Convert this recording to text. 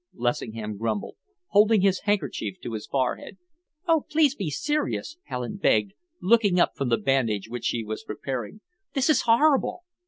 Lessingham grumbled, holding his handkerchief to his forehead. "Oh, please be serious!" Helen begged, looking up from the bandage which she was preparing. "This is horrible!"